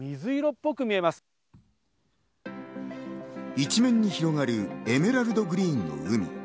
一面に広がるエメラルドグリーンの海。